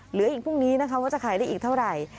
เหลืออีกพรุ่งนี้นะคะว่าจะขายได้อีกเท่าไหร่